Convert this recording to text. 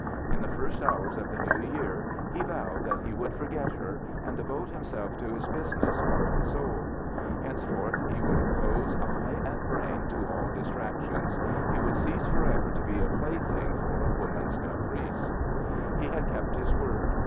In the first houi's of the new year he vowed that he would forget her, and devote himself to his business heart and soul. Henceforth he would close eye and brain to all distractions. He would cease forever to be a plaything for a woman's caprice. He had kept his word.